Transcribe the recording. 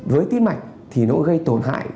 với tiết mạch thì nó gây tổn hại